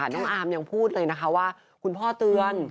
น้องอาร์มยังพูดเลยนะคะว่าคุณพ่อเตือน